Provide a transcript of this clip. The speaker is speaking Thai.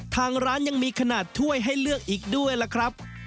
ทางร้านยังมีขนาดถ้วยให้เลือกอีกด้วยล่ะครับ